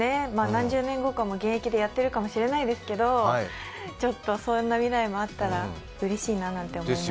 何十年後かも現役でやっているかもしれないですけど、そんな未来もあったらうれしいなと思います。